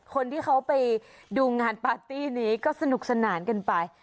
คนที่เขาไปดูงานปาร์ตี้นี้ก็สนุกสนานกันไป